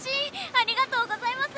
「ありがとうございます！